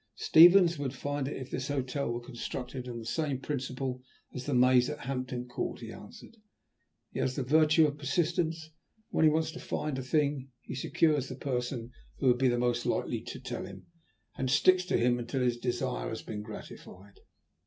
"Stevens would find it if this hotel were constructed on the same principle as the maze at Hampton Court," he answered. "He has the virtue of persistence, and when he wants to find a thing he secures the person who would be the most likely to tell him, and sticks to him until his desire has been gratified."